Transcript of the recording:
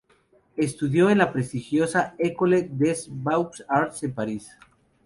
Estudió en la prestigiosa Ecole des Beaux-Arts en París.